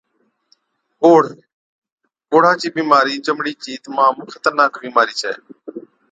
ڪوڙه (Leprosy) ڪوڙها چِي بِيمارِي چمڙي چِي تمام خطرناڪ بِيمارِي ڇَي۔